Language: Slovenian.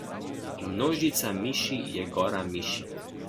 Množica miši je gora miš.